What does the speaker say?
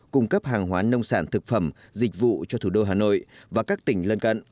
cung cấp hàng hóa nông sản thực phẩm dịch vụ cho thủ đô hà nội và các tỉnh lân cận